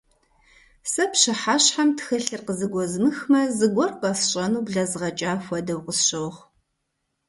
Сэ пщыхьэщхьэм тхылъыр къызэгуэзмыхмэ, зыгуэр къэсщӀэну блэзгъэкӀа хуэдэу къысщохъу.